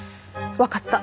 分かった。